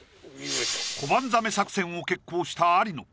コバンザメ作戦を決行した有野